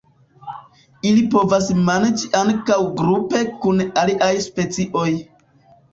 Ili povas manĝi ankaŭ grupe kun aliaj specioj.